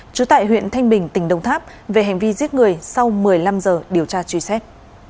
trú tại huyện thanh bình tỉnh đồng tháp về hành vi giết người sau một mươi năm giờ điều tra truy xét